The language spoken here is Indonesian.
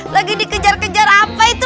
lagi dikejar kejar apa itu